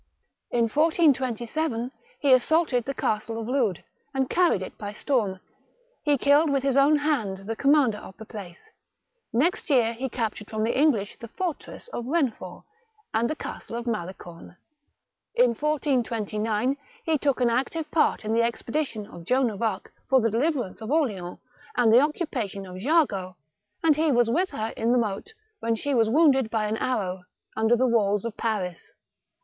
In 1427, he assaulted the Castle of Lude, and carried it by storm ; he killed 184 THE BOOK OF WERE WOLVES. with his own hand the commander of the place ; next year he captured from the English the fortress of Kennefort, and the Castle of Malicorne ; in 1429, he took an active part in the expedition of Joan of Arc for the deliverance of Orleans, and the occupation of Jargeau, and he was with h«r in the moat, when she was wounded by an arrow under the walls of Paris.